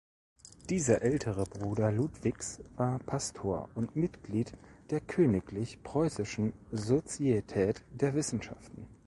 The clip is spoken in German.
Dieser ältere Bruder Ludwigs war Pastor und Mitglied der Königlich Preußischen Sozietät der Wissenschaften.